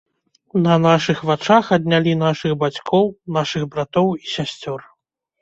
На нашых вачах аднялі нашых бацькоў, нашых братоў і сясцёр.